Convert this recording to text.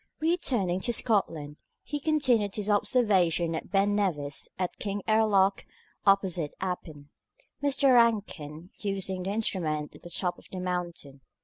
Returning to Scotland, he continued his observations at Ben Nevis and at Kingairloch, opposite Appin, Mr. Rankin using the instrument at the top of the mountain.